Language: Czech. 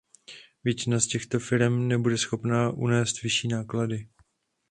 Většina z těchto firem nebude schopná unést vyšší náklady.